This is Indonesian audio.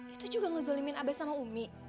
itu juga ngezolimin abe sama umi